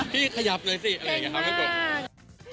ขยับเลยสิอะไรอย่างนี้ครับพี่กบ